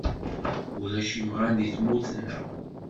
Ulac imɣan deg tmurt-neɣ.